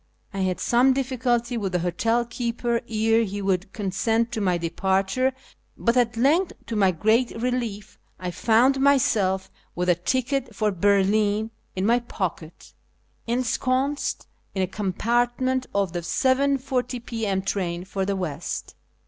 I had some difficulty with the hotel keeper ere he would consent to my departure, but at length, to my great relief, I found myself, with a ticket for Berlin in my pocket, ensconced in a compartment of the 7.40 p.m. train for the west.